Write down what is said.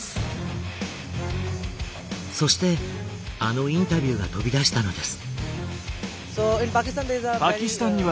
そしてあのインタビューが飛び出したのです。